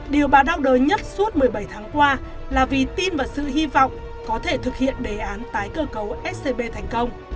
điều bà đau đới nhất suốt một mươi bảy tháng qua là vì tin vào sự hy vọng có thể thực hiện đề án tái cơ cấu scb thành công